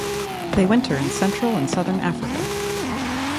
They winter in central and southern Africa.